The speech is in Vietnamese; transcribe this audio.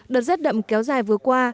đợt rất đậm kéo dài vừa qua